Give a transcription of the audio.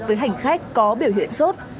với hành khách có biểu hiện sốt